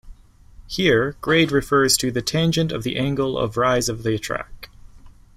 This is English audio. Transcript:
Here grade refers to the tangent of the angle of rise of the track.